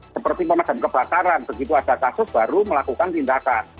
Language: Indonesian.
seperti pemadam kebakaran begitu ada kasus baru melakukan tindakan